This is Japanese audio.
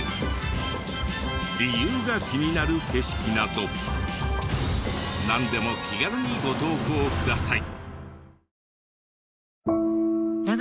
理由が気になる景色などなんでも気軽にご投稿ください。